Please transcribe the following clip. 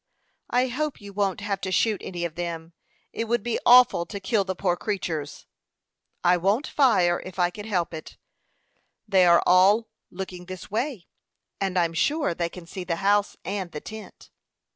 "I hope you won't have to shoot any of them. It would be awful to kill the poor creatures." "I won't fire if I can help it. They are all looking this way, and I'm sure they can see the house and the tent."